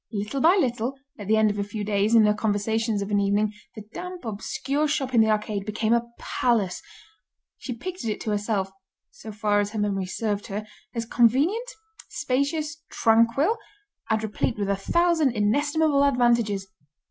Little by little, at the end of a few days, in her conversations of an evening, the damp, obscure shop in the arcade became a palace; she pictured it to herself, so far as her memory served her, as convenient, spacious, tranquil, and replete with a thousand inestimable advantages.